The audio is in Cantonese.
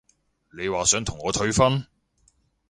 你話想同我退婚？